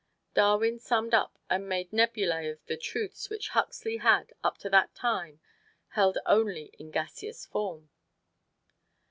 Darwin summed up and made nebulæ of the truths which Huxley had, up to that time, held only in gaseous form.